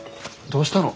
どうしたの？